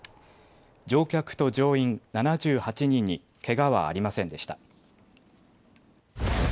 乗客と乗員７８人にけがはありませんでした。